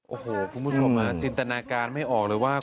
โอ้โหคุณผู้ชมจินตนาการไม่ออกเลยว่า